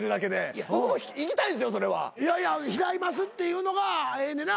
いやいや拾いますって言うのがええねんな。